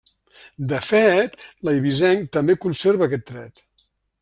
De fet, l'eivissenc també conserva aquest tret.